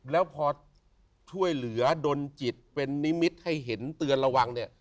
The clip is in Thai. แล้วพอช่วยเหลือดนจิตเป็นนิมิตให้เห็นเตือนระวังเนี่ย